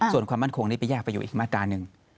ส่วนความมั่นคงนี่เป็นยากประโยชน์อีกมาตรานึง